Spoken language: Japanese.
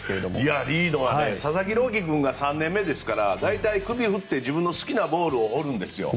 佐々木朗希君が３年目ですから首を振って自分の好きなボールを放るんですよ。